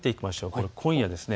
これは今夜です。